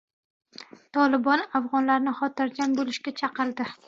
"Tolibon" afg‘onlarni xotirjam bo‘lishga chaqirdi